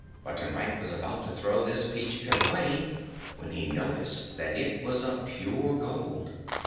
Button Bright was about to throw this peach pit away when he noticed that it was of pure gold.